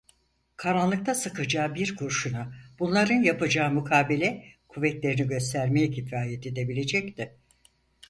Karanlıkta sıkacağı bir kurşuna bunların yapacağı mukabele kuvvetlerini göstermeye kifayet edebilecekti.